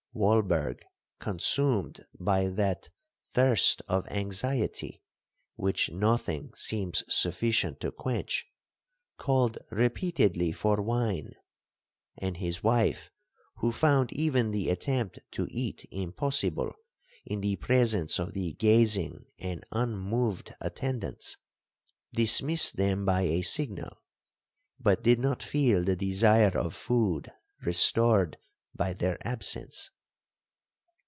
Walberg, consumed by that thirst of anxiety which nothing seems sufficient to quench, called repeatedly for wine; and his wife, who found even the attempt to eat impossible in the presence of the gazing and unmoved attendants, dismissed them by a signal, but did not feel the desire of food restored by their absence.